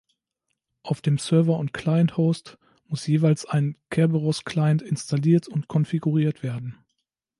Auf dem Server- und Client-Host muss jeweils ein Kerberos-Client installiert und konfiguriert sein.